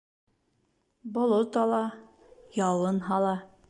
Болот ала. яуын һала.